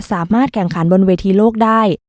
สามารถแข่งขันบนเวทีโลกได้